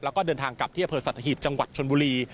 แล้วก็เดินทางกลับที่อำเภอสัตหีบจังหวัดชนบุรี